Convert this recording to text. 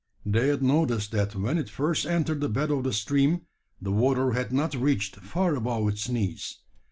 They had noticed that when it first entered the bed of the stream, the water had not reached far above its knees.